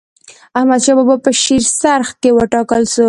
احمدشاه بابا په شیرسرخ کي و ټاکل سو.